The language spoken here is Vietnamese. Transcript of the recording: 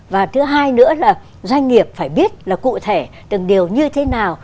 và thứ hai nữa là doanh nghiệp phải biết là cụ thể từng điều như thế nào